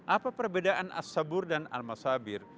apa perbedaan as sabur dan al masabir